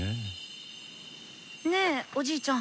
ねえおじいちゃん